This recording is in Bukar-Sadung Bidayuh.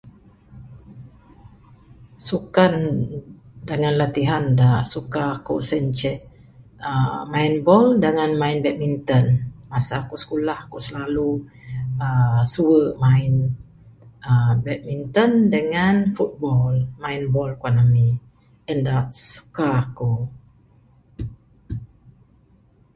Sukan dengan latihan dak suka ku sien ceh uhh main ball dengan main badminton. Masu ku sikulah ku silalu uhh suwe main uhh badminton dengan football main ball kuan ami en dak suka ku.